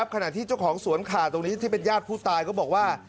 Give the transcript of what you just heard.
ขณะที่เจ้าของสวนขาตรงนี้ที่เป็นญาติผู้ตายก็บอกว่า